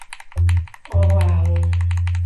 ọ hụ ahụ.